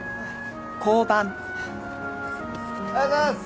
おはようございます！